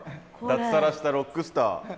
脱サラしたロックスター。